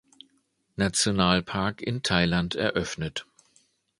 Nationalpark in Thailand eröffnet.